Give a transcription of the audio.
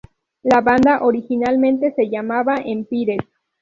La banda originalmente se llamaba Empires.